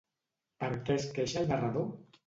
Per què es queixa el narrador?